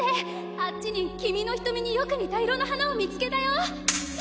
あっちに君の瞳によく似た色の花を見パシ！